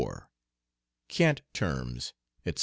CANT TERMS, ETC.